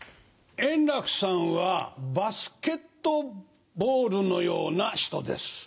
円楽さんはバスケットボールのような人です。